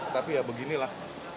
tapi ya beginilah